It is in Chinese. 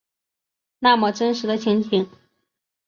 那么真实的情景